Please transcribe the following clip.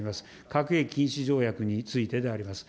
核兵器禁止条約についてであります。